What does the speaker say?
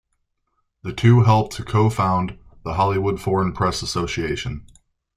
The two helped to co-found the Hollywood Foreign Press Association.